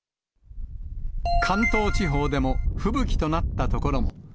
関東地方でも吹雪となった所も。